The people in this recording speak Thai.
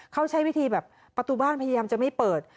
เขาใช้วิธีแบบประตูบ้านพยายามจะไม่เปิด